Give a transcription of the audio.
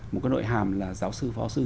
một cái nội hàm là giáo sư phó sư